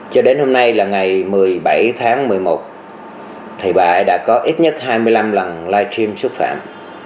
cho đến hôm nay là ngày một mươi bảy tháng một mươi một thì bà ấy đã có ít nhất hai mươi năm lần livestream xúc phạm